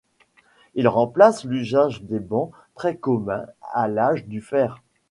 Il remplace l'usage des bancs, très communs à l'âge du fer.